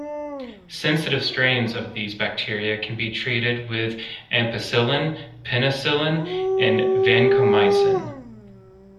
Sensitive strains of these bacteria can be treated with ampicillin, penicillin and vancomycin.